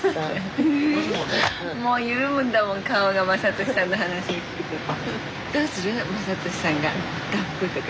もう緩むんだもん顔が雅俊さんの話になると。